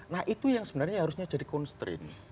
nah itu yang sebenarnya harusnya jadi constraint